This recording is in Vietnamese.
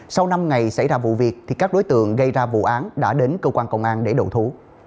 sau năm ngày xảy ra vụ việc thì các đối tượng gây ra vụ án đã đến cơ quan công an để đầu thú